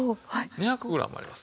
２００グラムあります。